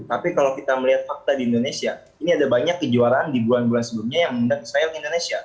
tapi kalau kita melihat fakta di indonesia ini ada banyak kejuaraan di bulan bulan sebelumnya yang mengundang israel ke indonesia